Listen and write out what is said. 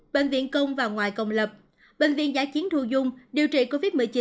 bệnh viện công và ngoại công lập bệnh viện giải chiến thu dung điều trị covid một mươi chín